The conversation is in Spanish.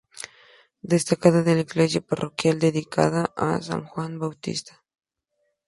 Destaca la iglesia parroquial dedicada a San Juan Bautista.